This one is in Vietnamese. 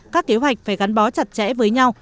các kế hoạch phải gắn bó chặt chẽ với nhau